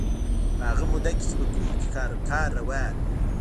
په هغه موده کې چې په کور کې کار روان و.